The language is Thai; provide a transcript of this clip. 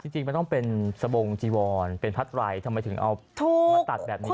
จริงมันต้องเป็นสบงจีวรเป็นพัดไหล่ทำไมถึงเอาถูก